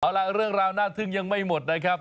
เอาล่ะเรื่องราวน่าทึ่งยังไม่หมดนะครับ